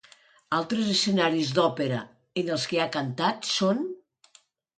Altres escenaris d'òpera en els que ha cantat són: